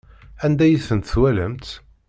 Anda ay tent-twalamt?